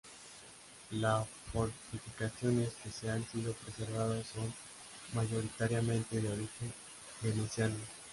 Las fortificaciones que se han sido preservados son mayoritariamente de origen veneciano.